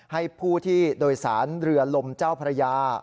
ให้ผู้ที่โดยสารเรือลมเจ้าพระยา